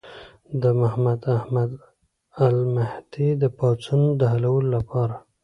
د محمد احمد المهدي د پاڅون د حلولو لپاره.